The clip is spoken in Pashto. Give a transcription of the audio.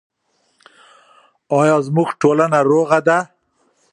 آیا زموږ ټولنه روغه ده؟